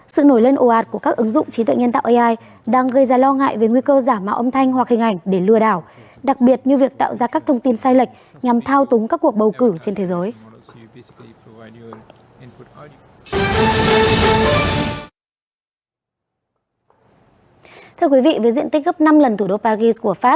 sự nổi lên ồ ạt của các ứng dụng trí tuệ nhân tạo ai đang gây ra lo ngại về nguy cơ giảm mạo âm thanh hoặc hình ảnh để lừa đảo đặc biệt như việc tạo ra các thông tin sai lệch nhằm thao túng các cuộc bầu cử trên thế giới